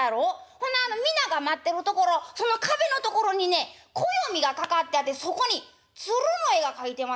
ほな皆が待ってる所その壁の所にね暦が掛かってあってそこにつるの絵が描いてましたんや。